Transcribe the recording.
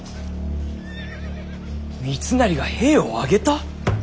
三成が兵を挙げた！？